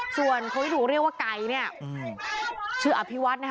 ส่วนคนที่ถูกเรียกว่าไก่ชื่ออภิวัฒน์